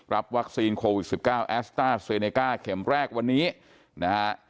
วัคซีนโควิด๑๙แอสต้าเซเนก้าเข็มแรกวันนี้นะฮะ